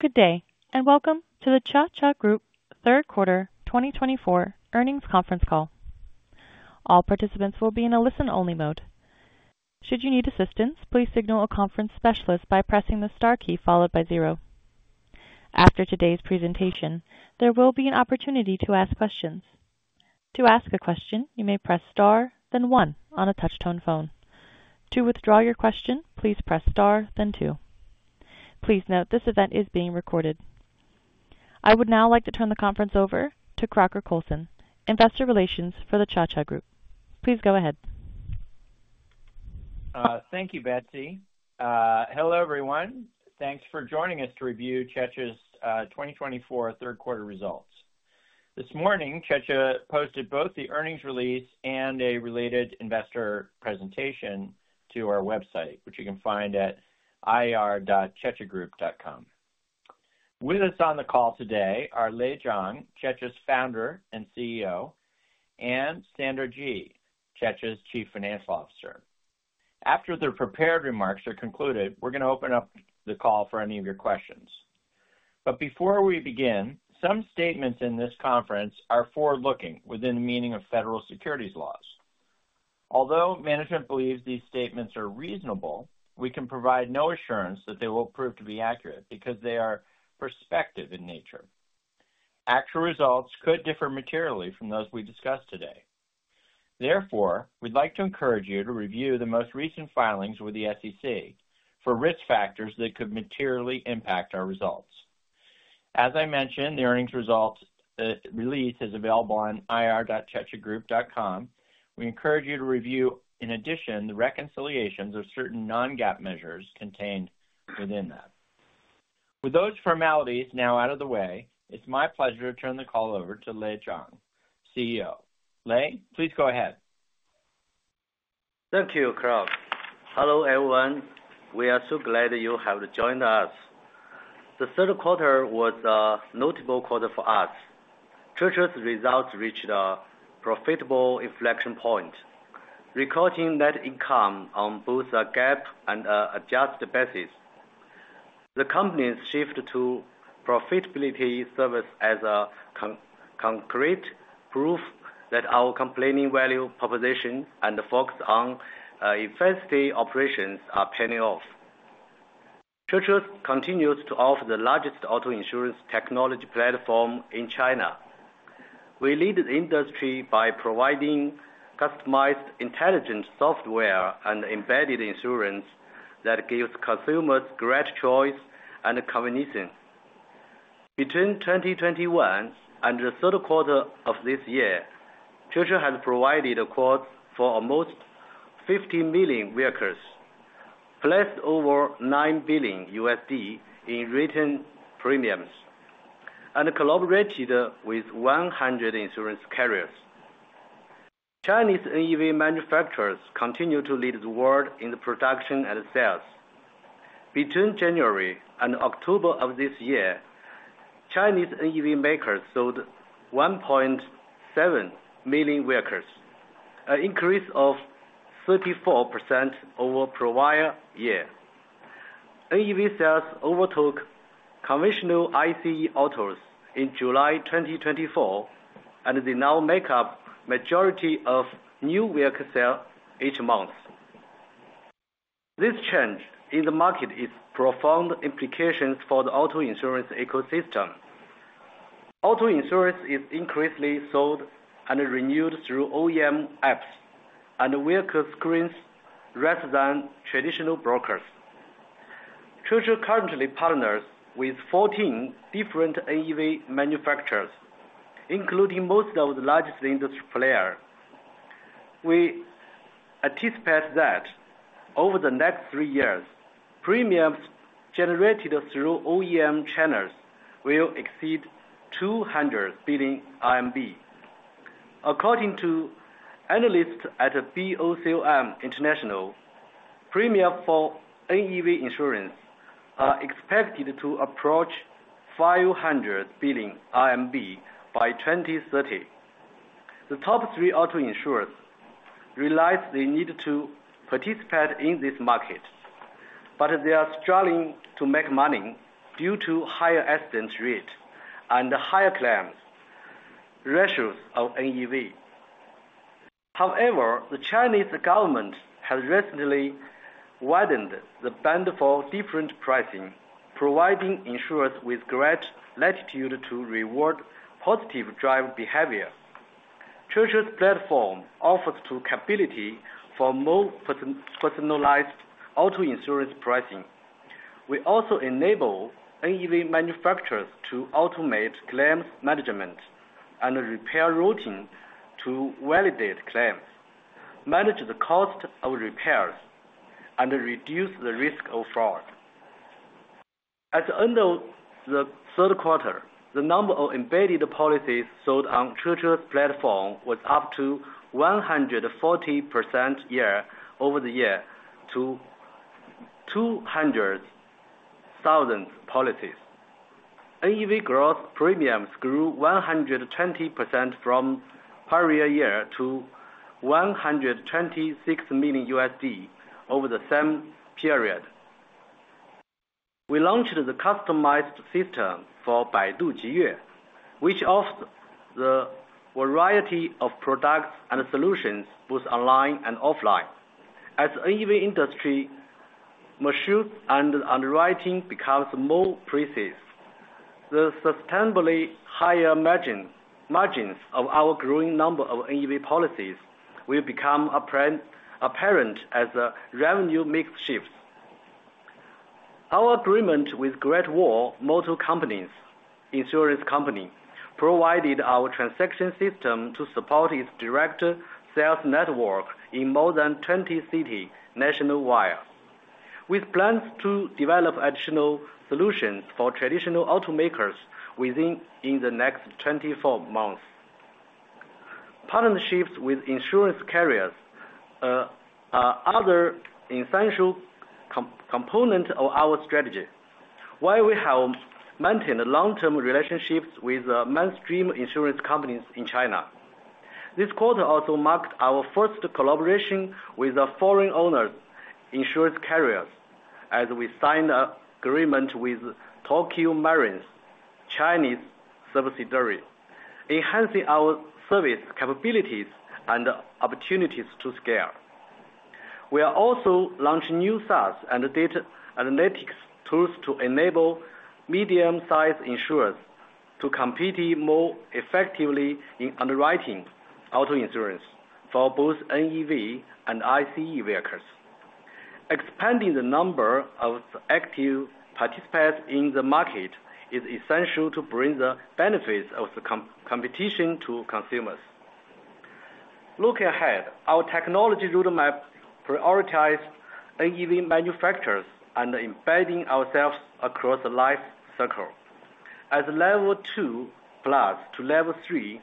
Good day, and welcome to the Cheche Group Third Quarter 2024 earnings conference call. All participants will be in a listen-only mode. Should you need assistance, please signal a conference specialist by pressing the star key followed by zero. After today's presentation, there will be an opportunity to ask questions. To ask a question, you may press star, then one on a touch-tone phone. To withdraw your question, please press star, then two. Please note this event is being recorded. I would now like to turn the conference over to Crocker Coulson, Investor Relations for the Cheche Group. Please go ahead. Thank you, Betsy. Hello, everyone. Thanks for joining us to review Cheche's 2024 third quarter results. This morning, Cheche posted both the earnings release and a related investor presentation to our website, which you can find @ir.chechegroup.com. With us on the call today are Lei Zhang, Cheche's founder and CEO, and Sandra Ji, Cheche's Chief Financial Officer. After the prepared remarks are concluded, we're going to open up the call for any of your questions. But before we begin, some statements in this conference are forward-looking within the meaning of federal securities laws. Although management believes these statements are reasonable, we can provide no assurance that they will prove to be accurate because they are prospective in nature. Actual results could differ materially from those we discuss today. Therefore, we'd like to encourage you to review the most recent filings with the SEC for risk factors that could materially impact our results. As I mentioned, the earnings release is available on ir.chechegroup.com. We encourage you to review, in addition, the reconciliations of certain non-GAAP measures contained within that. With those formalities now out of the way, it's my pleasure to turn the call over to Lei Zhang, CEO. Lei, pleasego ahead. Thank you, Crocker. Hello, everyone. We are so glad you have joined us. The third quarter was a notable quarter for us. Cheche's results reached a profitable inflection point, recording net income on both a GAAP and adjusted basis. The company's shift to profitability serves as a concrete proof that our compelling value proposition and the focus on efficient operations are paying off. Cheche continues to offer the largest auto insurance technology platform in China. We lead the industry by providing customized intelligent software and embedded insurance that gives consumers great choice and convenience. Between 2021 and the third quarter of this year, Cheche has provided quotes for almost 50 million vehicles, plus over $9 billion in written premiums, and collaborated with 100 insurance carriers. Chinese NEV manufacturers continue to lead the world in production and sales. Between January and October of this year, Chinese NEV makers sold 1.7 million vehicles, an increase of 34% over the prior year. NEV sales overtook conventional ICE autos in July 2024, and they now make up the majority of new vehicle sales each month. This change in the market has profound implications for the auto insurance ecosystem. Auto insurance is increasingly sold and renewed through OEM apps and vehicle screens rather than traditional brokers. Cheche currently partners with 14 different NEV manufacturers, including most of the largest industry players. We anticipate that over the next three years, premiums generated through OEM channels will exceed 200 billion RMB. According to analysts at BOCOM International, premiums for NEV insurance are expected to approach 500 billion RMB by 2030. The top three auto insurers realize they need to participate in this market, but they are struggling to make money due to higher accident rates and higher claims ratios of NEV. However, the Chinese government has recently widened the band for different pricing, providing insurers with great latitude to reward positive driver behavior. Cheche's platform offers capability for more personalized auto insurance pricing. We also enable NEV manufacturers to automate claims management and repair routing to validate claims, manage the cost of repairs, and reduce the risk of fraud. At the end of the third quarter, the number of embedded policies sold on Cheche's platform was up 140% year-over-year to 200,000 policies. NEV gross premiums grew 120% from prior year to $126 million over the same period. We launched the customized system for Baidu Jiyue, which offers a variety of products and solutions both online and offline. As the NEV industry matures and underwriting become more precise, the sustainably higher margins of our growing number of NEV policies will become apparent as revenue mix shifts. Our agreement with Great Wall Motor Company Insurance Company provided our transaction system to support its direct sales network in more than 20 cities nationwide. We plan to develop additional solutions for traditional automakers within the next 24 months. Partnerships with insurance carriers are another essential component of our strategy, while we have maintained long-term relationships with mainstream insurance companies in China. This quarter also marked our first collaboration with foreign-owned insurance carriers, as we signed an agreement with Tokio Marine, a Chinese subsidiary, enhancing our service capabilities and opportunities to scale. We are also launching new SaaS and data analytics tools to enable medium-sized insurers to compete more effectively in underwriting auto insurance for both NEV and ICE vehicles. Expanding the number of active participants in the market is essential to bring the benefits of competition to consumers. Looking ahead, our technology roadmap prioritizes NEV manufacturers and embedding ourselves across the life cycle. As Level 2 to Level 3,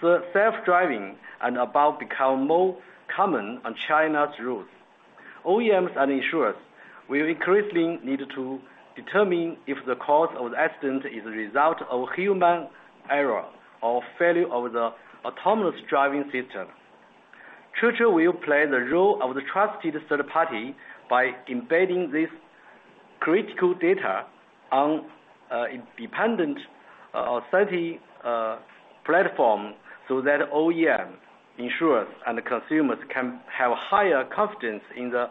self-driving and above become more common on China's roads. OEMs and insurers will increasingly need to determine if the cause of the accident is the result of human error or failure of the autonomous driving system. Cheche will play the role of the trusted third party by embedding this critical data on an independent authority platform so that OEMs, insurers, and consumers can have higher confidence in the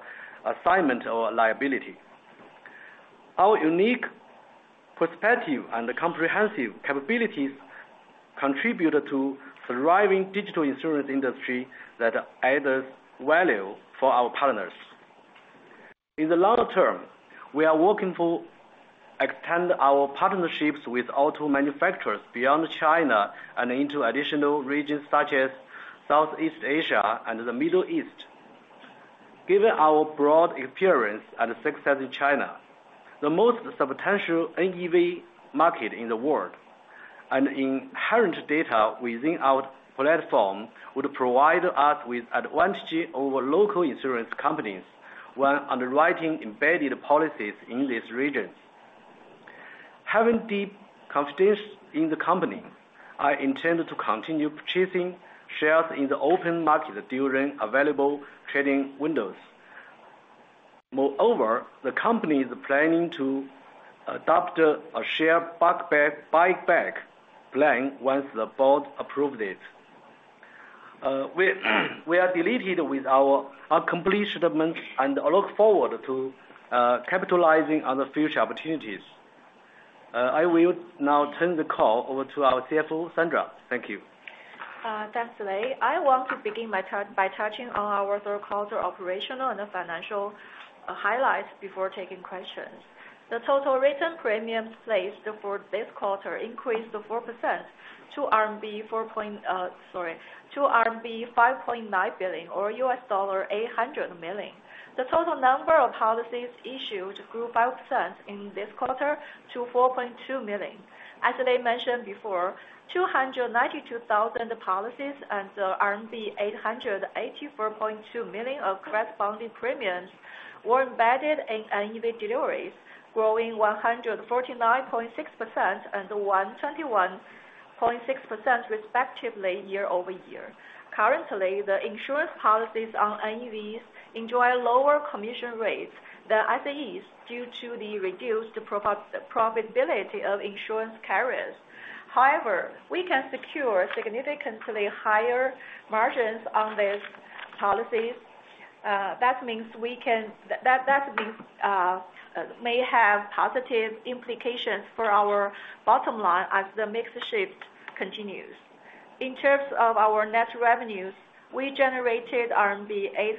assignment of liability. Our unique perspective and comprehensive capabilities contribute to a thriving digital insurance industry that adds value for our partners. In the long term, we are working to extend our partnerships with auto manufacturers beyond China and into additional regions such as Southeast Asia and the Middle East. Given our broad experience and success in China, the most substantial NEV market in the world and inherent data within our platform would provide us with advantage over local insurance companies when underwriting embedded policies in this region. Having deep confidence in the company, I intend to continue purchasing shares in the open market during available trading windows. Moreover, the company is planning to adopt a share buyback plan once the board approves it. We are delighted with our completion and look forward to capitalizing on the future opportunities. I will now turn the call over to our CFO, Sandra. Thank you. Thanks, Lei. I want to begin by touching on our third quarter operational and financial highlights before taking questions. The total written premiums placed for this quarter increased 4% to RMB 5.9 billion, or $800 million. The total number of policies issued grew 5% in this quarter to 4.2 million. As Lei mentioned before, 292,000 policies and RMB 884.2 million of corresponding premiums were embedded in NEV deliveries, growing 149.6% and 121.6% respectively year-over-year. Currently, the insurance policies on NEVs enjoy lower commission rates than ICEs due to the reduced profitability of insurance carriers. However, we can secure significantly higher margins on these policies. That means we may have positive implications for our bottom line as the mix shift continues. In terms of our net revenues, we generated RMB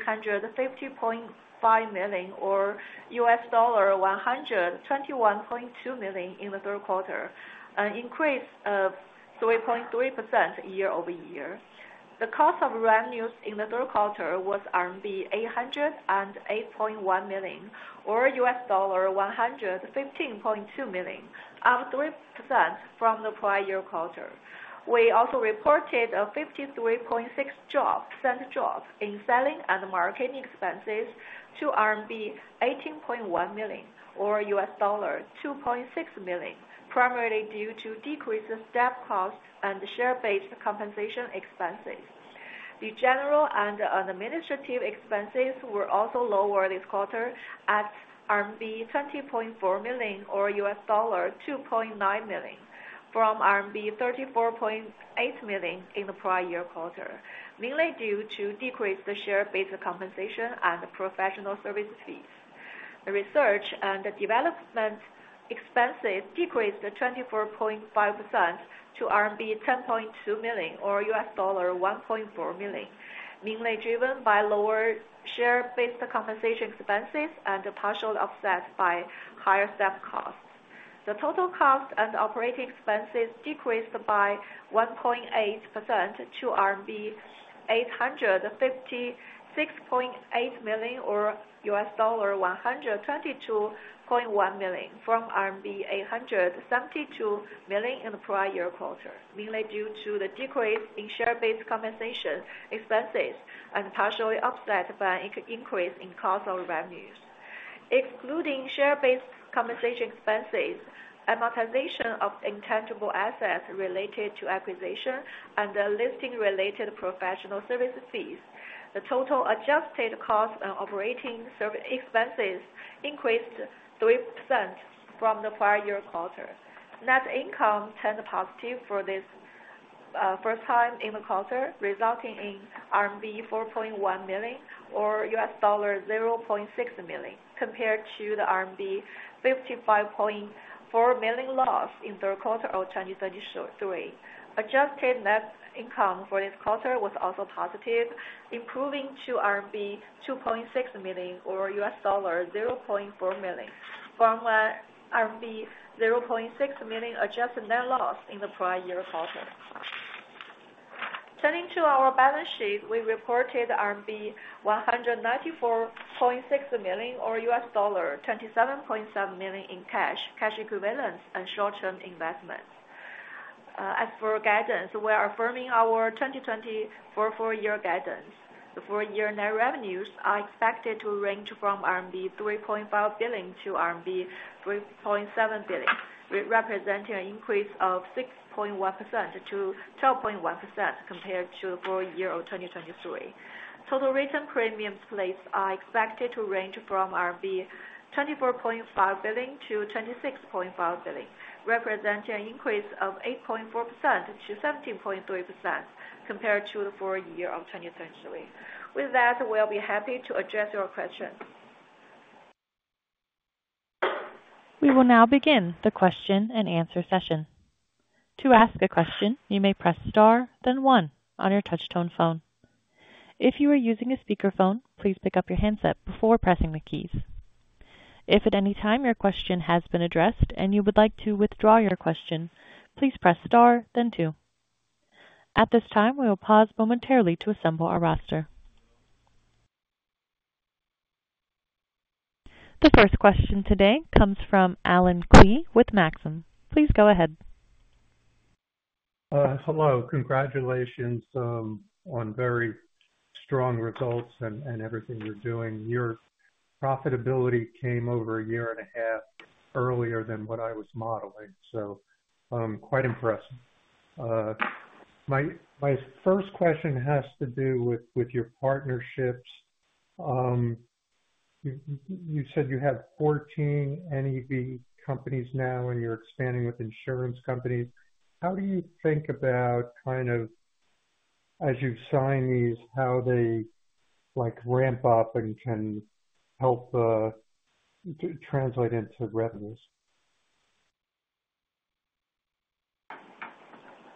850.5 million, or $121.2 million in the third quarter, an increase of 3.3% year over year. The cost of revenues in the third quarter was 808.1 million, or $115.2 million, up 3% from the prior quarter. We also reported a 53.6% drop in selling and marketing expenses to RMB 18.1 million, or $2.6 million, primarily due to decreased staff costs and share-based compensation expenses. The general and administrative expenses were also lower this quarter at RMB 20.4 million, or $2.9 million, from RMB 34.8 million in the prior quarter, mainly due to decreased share-based compensation and professional service fees. The research and development expenses decreased 24.5% to RMB 10.2 million, or $1.4 million, mainly driven by lower share-based compensation expenses and partial offset by higher staff costs. The total cost and operating expenses decreased by 1.8% to RMB 856.8 million, or $122.1 million, from RMB 872 million in the prior quarter, mainly due to the decrease in share-based compensation expenses and partial offset by increase in cost of revenues. Excluding share-based compensation expenses, amortization of intangible assets related to acquisition, and listing-related professional service fees, the total adjusted cost and operating expenses increased 3% from the prior year quarter. Net income turned positive for this first time in the quarter, resulting in RMB 4.1 million, or $0.6 million, compared to the RMB 55.4 million loss in third quarter of 2023. Adjusted net income for this quarter was also positive, improving to RMB 2.6 million, or $0.4 million, from RMB 0.6 million adjusted net loss in the prior year quarter. Turning to our balance sheet, we reported RMB 194.6 million, or $27.7 million in cash, cash equivalents, and short-term investments. As for guidance, we are affirming our 2024 four-year guidance. The full-year net revenues are expected to range from 3.5 billion-3.7 billion RMB, representing an increase of 6.1%-12.1% compared to the four-year of 2023. Total written premium placed are expected to range from 24.5 billion-26.5 billion, representing an increase of 8.4%-17.3% compared to the four-year of 2023. With that, we'll be happy to address your questions. We will now begin the question and answer session. To ask a question, you may press star, then one on your touch-tone phone. If you are using a speakerphone, please pick up your handset before pressing the keys. If at any time your question has been addressed and you would like to withdraw your question, please press star, then two. At this time, we will pause momentarily to assemble our roster. The first question today comes from Allen Klee with Maxim. Please go ahead. Hello. Congratulations on very strong results and everything you're doing. Your profitability came over a year and a half earlier than what I was modeling, so quite impressive. My first question has to do with your partnerships. You said you have 14 NEV companies now, and you're expanding with insurance companies. How do you think about kind of, as you sign these, how they ramp up and can help translate into revenues?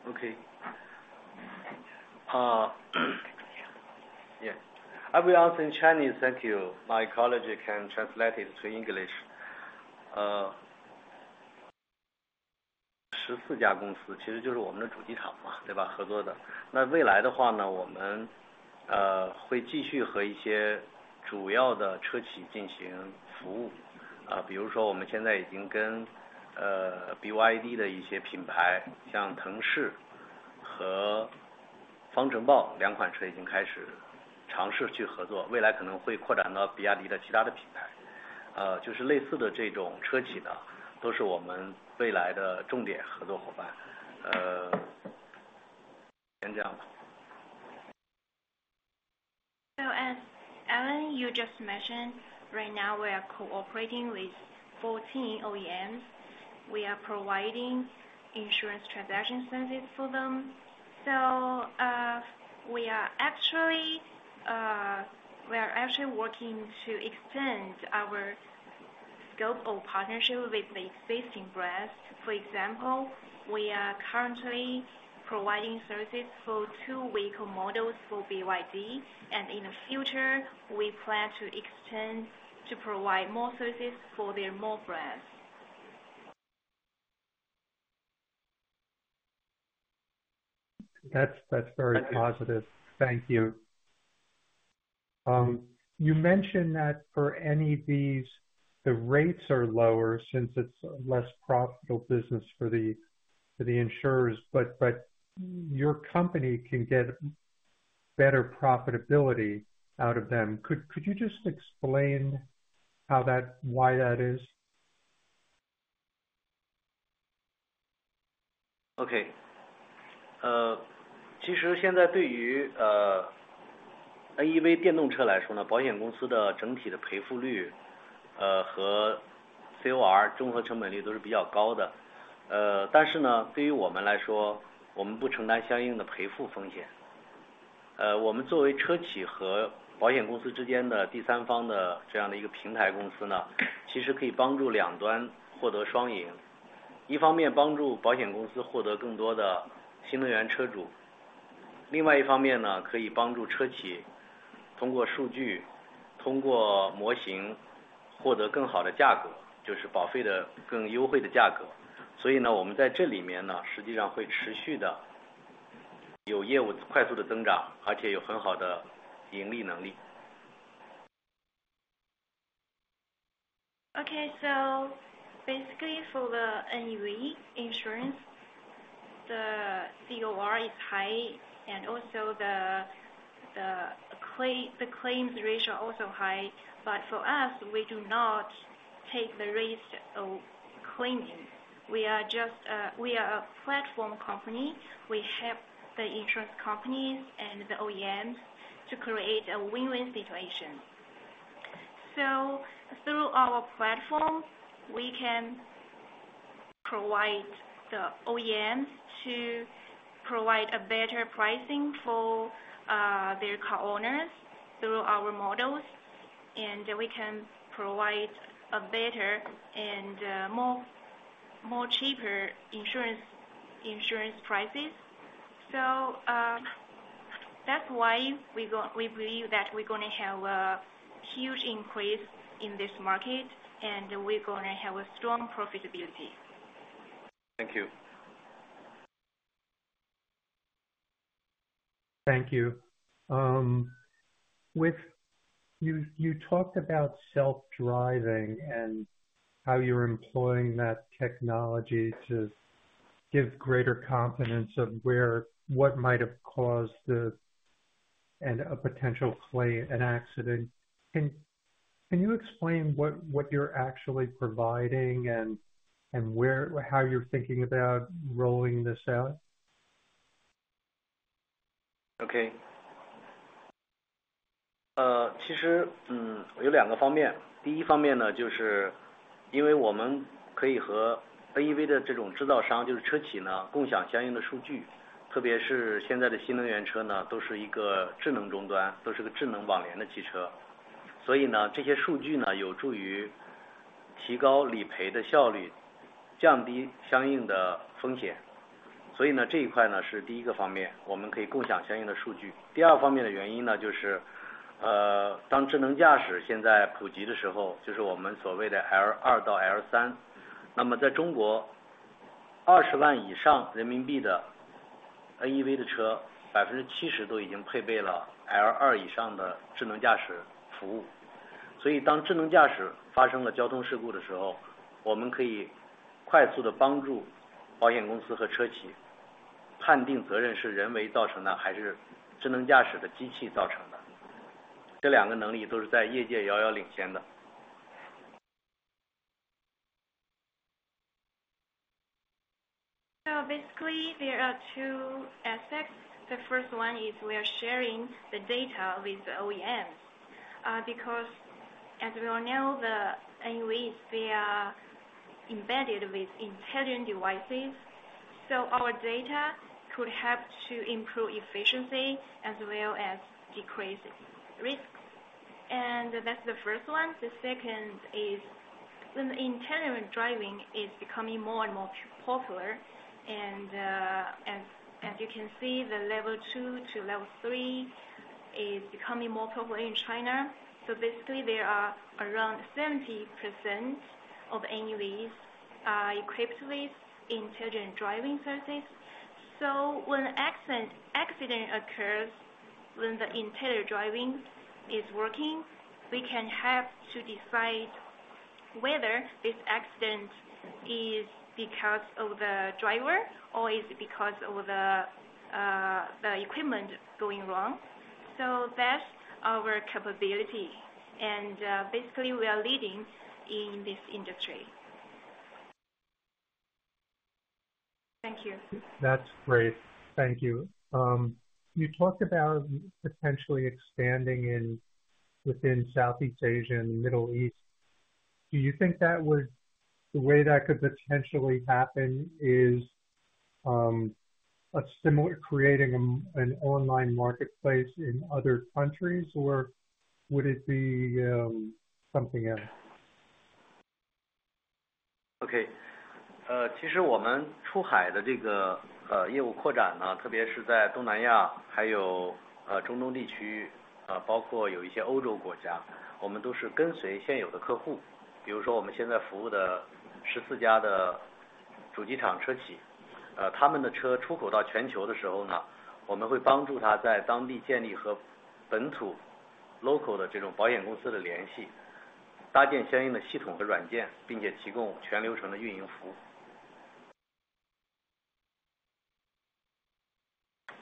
Okay. Yes. I will answer in Chinese. Thank you. My colleague can translate it to English. 14家公司，其实就是我们的主机厂，对吧，合作的。那未来的话，我们会继续和一些主要的车企进行服务。比如说，我们现在已经跟BYD的一些品牌，像腾势和方程豹，两款车已经开始尝试去合作。未来可能会扩展到比亚迪的其他的品牌。就是类似的这种车企都是我们未来的重点合作伙伴。先这样吧。As Allen you just mentioned, right now we are cooperating with 14 OEMs. We are providing insurance transaction services for them. We are actually working to extend our scope of partnership with existing brands. For example, we are currently providing services for two vehicle models for BYD, and in the future, we plan to extend to provide more services for their more brands. That's very positive. Thank you. You mentioned that for NEVs, the rates are lower since it's a less profitable business for the insurers, but your company can get better profitability out of them. Could you just explain why that is? Okay. Okay. So basically for the NEV insurance, the COR is high, and also the claims ratio is also high. But for us, we do not take the risk of claiming. We are a platform company. We help the insurance companies and the OEMs to create a win-win situation. So through our platform, we can provide the OEMs to provide a better pricing for their car owners through our models, and we can provide a better and more cheaper insurance prices. So that's why we believe that we're going to have a huge increase in this market, and we're going to have a strong profitability. Thank you. Thank you. You talked about self-driving and how you're employing that technology to give greater confidence of what might have caused a potential claim, an accident. Can you explain what you're actually providing and how you're thinking about rolling this out? Okay. So basically, there are two aspects. The first one is we are sharing the data with the OEMs because, as we all know, the NEVs, they are embedded with intelligent devices. So our data could help to improve efficiency as well as decrease risks. And that's the first one. The second is intelligent driving is becoming more and more popular. And as you can see, the Level 2 to Level 3 is becoming more popular in China. So basically, there are around 70% of NEVs equipped with intelligent driving services. So when an accident occurs, when the intelligent driving is working, we can help to decide whether this accident is because of the driver or is it because of the equipment going wrong. So that's our capability. And basically, we are leading in this industry. Thank you. That's great. Thank you. You talked about potentially expanding within Southeast Asia, Middle East. Do you think that would the way that could potentially happen is creating an online marketplace in other countries, or would it be something else? Okay.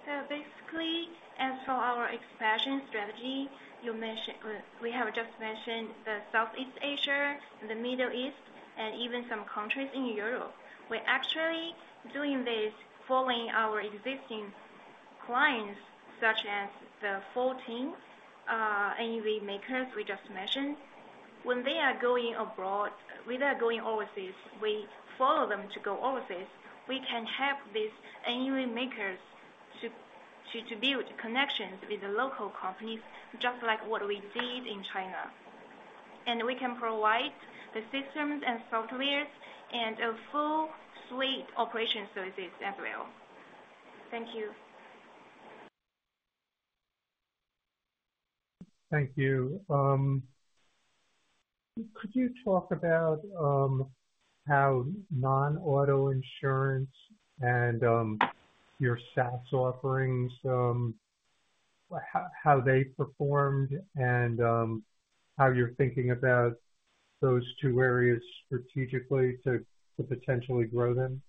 So basically, as for our expansion strategy, we have just mentioned the Southeast Asia, the Middle East, and even some countries in Europe. We're actually doing this following our existing clients, such as the 14 NEV makers we just mentioned. When they are going abroad, when they are going overseas, we follow them to go overseas. We can help these NEV makers to build connections with the local companies, just like what we did in China, and we can provide the systems and software and a full suite of operation services as well. Thank you. Thank you. Could you talk about how non-auto insurance and your SaaS offerings, how they performed, and how you're thinking about those two areas strategically to potentially grow them?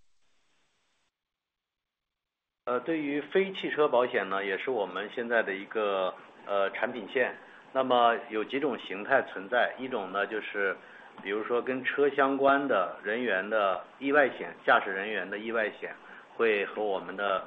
对于非汽车保险，也是我们现在的一个产品线。那么有几种形态存在。一种就是，比如说跟车相关的人员的意外险，驾驶人员的意外险，会和我们的车险捆绑销售。第二种就是面向于他的家庭财产保险，还有一些个人的健康保险等等，这些都是我们的一个延伸的产品和服务模式。So, for the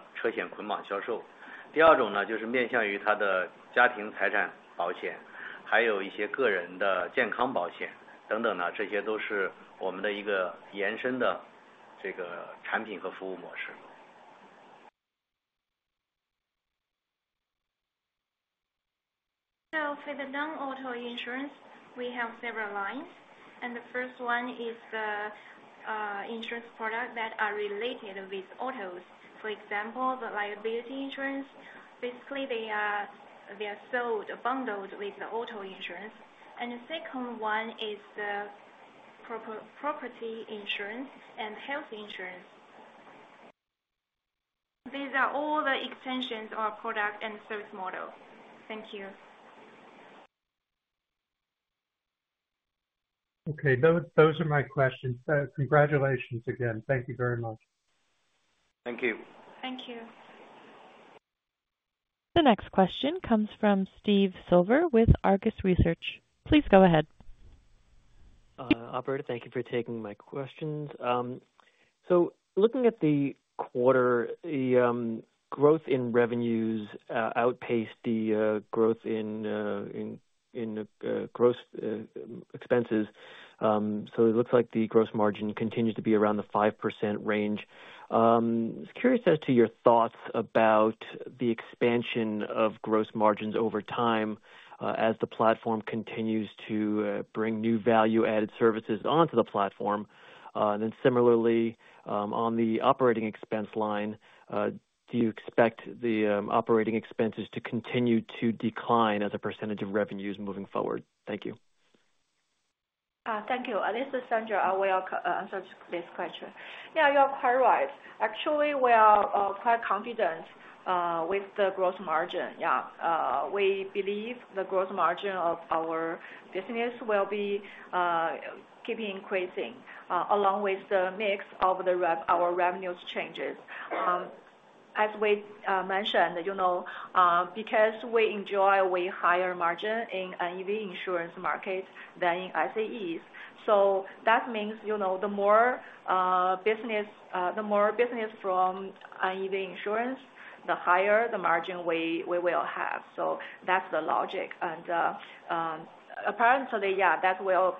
non-auto insurance, we have several lines. And the first one is the insurance products that are related with autos. For example, the liability insurance. Basically, they are sold bundled with the auto insurance. And the second one is the property insurance and health insurance. These are all the extensions of our product and service model. Thank you. Okay. Those are my questions. Congratulations again. Thank you very much. Thank you. Thank you. The next question comes from Steve Silver with Argus Research. Please go ahead. Operator, thank you for taking my questions. So looking at the quarter, the growth in revenues outpaced the growth in gross expenses. So it looks like the gross margin continues to be around the 5% range. I was curious as to your thoughts about the expansion of gross margins over time as the platform continues to bring new value-added services onto the platform. And then similarly, on the operating expense line, do you expect the operating expenses to continue to decline as a percentage of revenues moving forward? Thank you. Thank you. This is Sandra. I will answer this question. Yeah, you're quite right. Actually, we are quite confident with the gross margin. Yeah. We believe the gross margin of our business will be keeping increasing along with the mix of our revenues changes. As we mentioned, because we enjoy a way higher margin in NEV insurance market than in ICEs. So that means the more business from NEV insurance, the higher the margin we will have. So that's the logic. And apparently, yeah, that will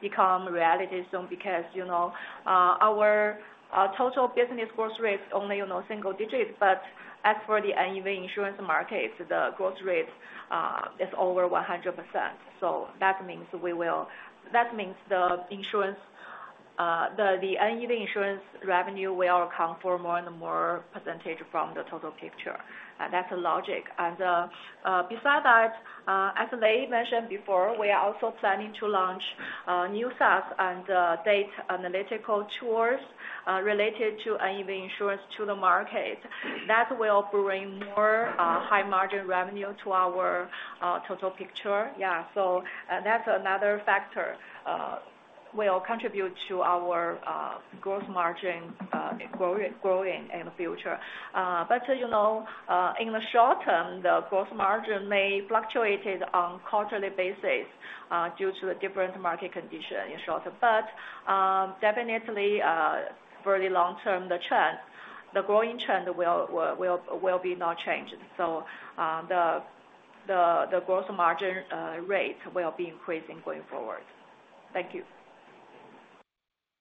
become reality soon because our total business gross rate is only single digits. But as for the NEV insurance market, the gross rate is over 100%. So that means the NEV insurance revenue will come for more and more percentage from the total picture. That's the logic. Besides that, as they mentioned before, we are also planning to launch new SaaS and data analytics tools related to NEV insurance to the market. That will bring more high-margin revenue to our total picture. Yeah. So that's another factor. We will contribute to our gross margin growing in the future. But in the short term, the gross margin may fluctuate on a quarterly basis due to the different market conditions in short term. But definitely, for the long term, the growing trend will be not changed. So the gross margin rate will be increasing going forward. Thank you.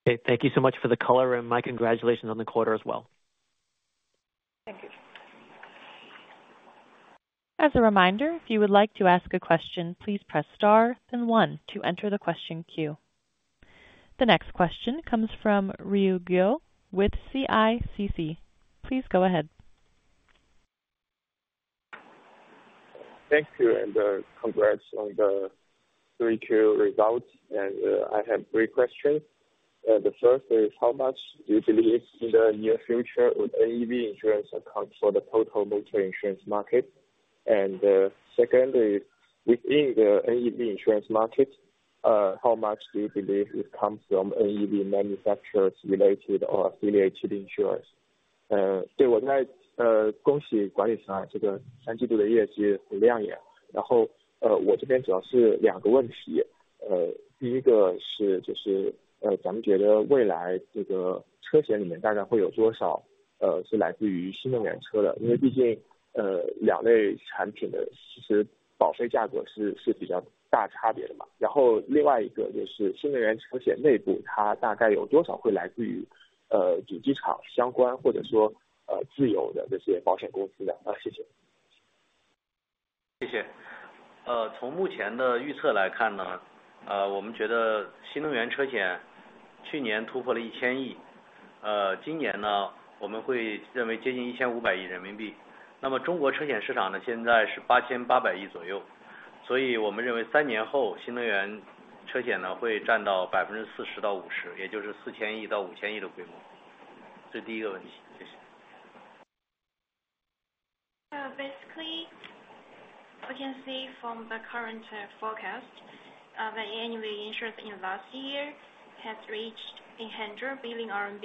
Okay. Thank you so much for the color, and my congratulations on the quarter as well. Thank you. As a reminder, if you would like to ask a question, please press star, then one to enter the question queue. The next question comes from Ruoyu with CICC. Please go ahead. Thank you. And congrats on the Q3 results. And I have three questions. The first is, how much do you believe in the near future would NEV insurance account for the total motor insurance market? And second is, within the NEV insurance market, how much do you believe it comes from NEV manufacturers related or affiliated insurance? 对，我在恭喜管理层这个三季度的业绩很亮眼。然后我这边主要是两个问题。第一个是，就是咱们觉得未来这个车险里面大概会有多少是来自于新能源车的？因为毕竟两类产品的其实保费价格是比较大差别的。然后另外一个就是新能源车险内部它大概有多少会来自于主机厂相关或者说自有的这些保险公司的？谢谢。谢谢。从目前的预测来看，我们觉得新能源车险去年突破了1,000亿。今年我们会认为接近1,500亿人民币。那么中国车险市场现在是8,800亿左右。所以我们认为三年后新能源车险会占到40%到50%，也就是4,000亿到5,000亿的规模。这是第一个问题。谢谢。So basically, we can see from the current forecast that NEV insurance in last year has reached 100 billion RMB,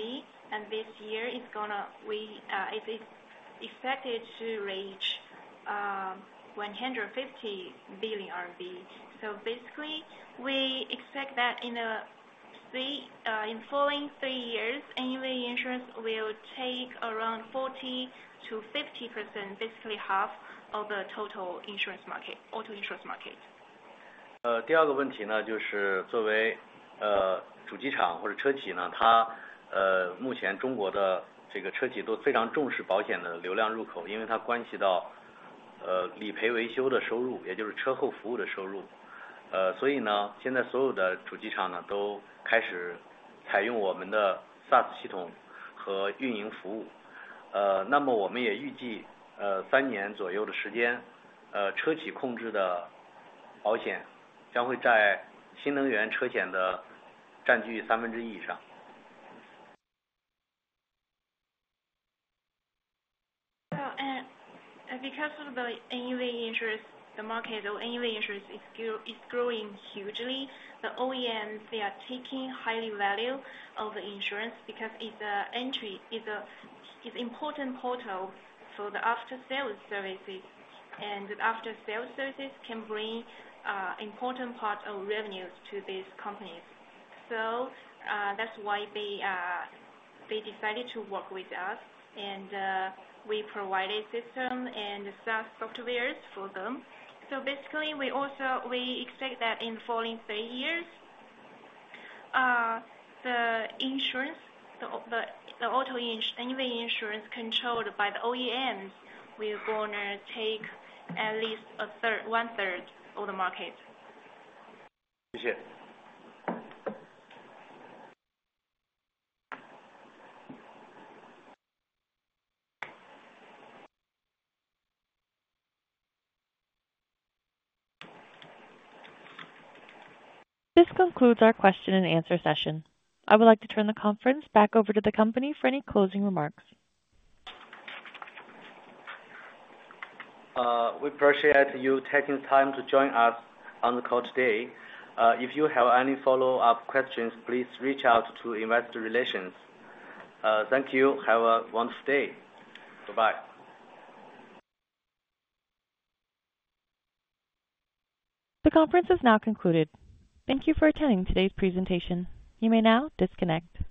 and this year it's expected to reach 150 billion RMB. So basically, we expect that in the following three years, NEV insurance will take around 40%-50%, basically half of the total insurance market, auto insurance market. Because of the NEV insurance, the market of NEV insurance is growing hugely. The OEMs, they are taking high value of the insurance because it's an important portal for the after-sales services. After-sales services can bring an important part of revenues to these companies. That's why they decided to work with us. We provide a system and SaaS software for them. Basically, we expect that in the following three years, the NEV insurance controlled by the OEMs will go and take at least one-third of the market. 谢谢。This concludes our question and answer session. I would like to turn the conference back over to the company for any closing remarks. We appreciate you taking time to join us on the call today. If you have any follow-up questions, please reach out to investor relations. Thank you. Have a wonderful day. Bye-bye. The conference is now concluded. Thank you for attending today's presentation. You may now disconnect.